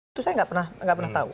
itu saya nggak pernah tahu